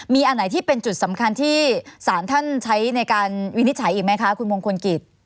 มีอันไหนที่เป็นจุดสำคัญที่สารท่านใช้ในการวินิจฉัยอีกไหมคะคุณมงคลกิจ